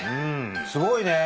すごいね！